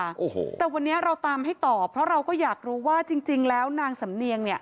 โอ้โหแต่วันนี้เราตามให้ต่อเพราะเราก็อยากรู้ว่าจริงจริงแล้วนางสำเนียงเนี่ย